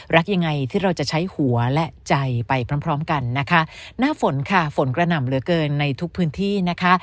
รักยังไงที่เราจะใช้หัวและใจไปพร้อมพร้อมกันนะคะหน้าฝนค่ะฝนกระหน่ำเหลือเกินในทุกพื้นที่นะคะ